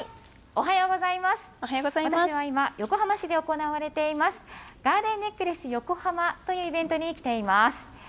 私は今、横浜市で行われています、ガーデンネックレス横浜というイベントに来ています。